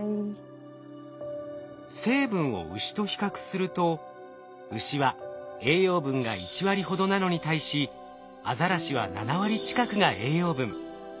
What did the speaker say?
成分をウシと比較するとウシは栄養分が１割ほどなのに対しアザラシは７割近くが栄養分。